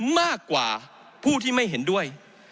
มากกว่าผู้ที่ไม่เห็นด้วย